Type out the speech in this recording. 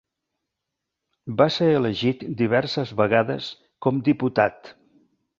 Va ser elegit diverses vegades com diputat.